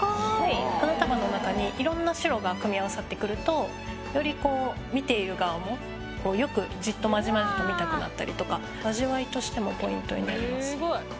花束の中にいろんな白が組み合わさってくるとよりこう見ている側もよくじっとまじまじと見たくなったりとか味わいとしてもポイントになります。